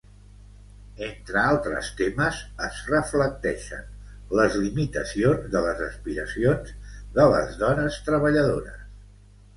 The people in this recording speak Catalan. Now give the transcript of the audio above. Entre altres temes, es reflecteixen les limitacions de les aspiracions de les dones treballadores.